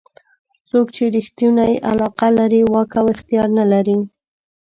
څوک چې ریښتونې علاقه لري واک او اختیار نه لري.